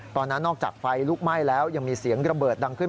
นอกจากไฟลุกไหม้แล้วยังมีเสียงระเบิดดังขึ้น